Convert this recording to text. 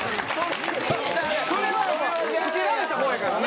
それは付けられた方やからな。